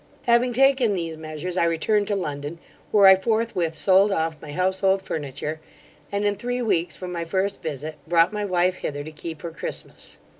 'Having taken these measures, I returned to London, where I forthwith sold off my household furniture, and, in three weeks from my first visit, brought my wife hither to keep her Christmas.